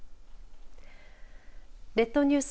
列島ニュース